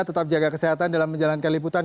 tetap jaga kesehatan dalam menjalankan liputan